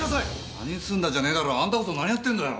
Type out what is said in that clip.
「何するんだ」じゃねえだろ！あんたこそ何やってんだよ！？